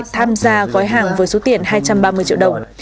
tham gia gói hàng với số tiền hai trăm ba mươi triệu đồng